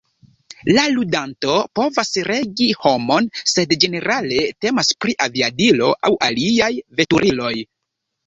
La ludanto povas regi homon sed ĝenerale temas pri aviadilo aŭ aliaj veturiloj.